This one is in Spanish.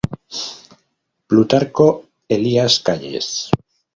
Plutarco Elías Calles.